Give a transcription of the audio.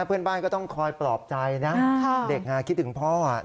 เพื่อนบ้านก็ต้องคอยปลอบใจนะเด็กคิดถึงพ่อ